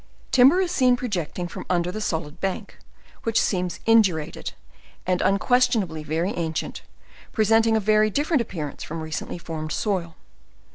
Timber is seen projecting from under the solid bank, which seems indurated, and unquestionably very ancient, present ing a very different appearance from recently formed soil.